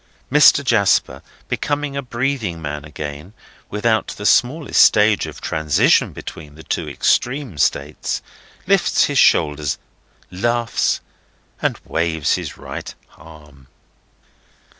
Mr. Jasper, becoming a breathing man again without the smallest stage of transition between the two extreme states, lifts his shoulders, laughs, and waves his right arm.